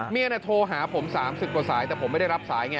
โทรหาผม๓๐กว่าสายแต่ผมไม่ได้รับสายไง